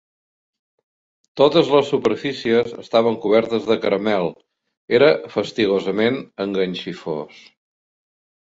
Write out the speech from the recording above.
Totes les superfícies estaven cobertes de caramel; era fastigosament enganxifós.